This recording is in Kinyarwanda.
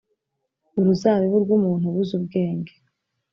uruzabibu rw umuntu ubuze ubwenge